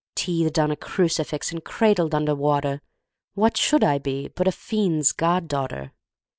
Teethed on a crucifix and cradled under water, What should I be but a fiend's god daughter?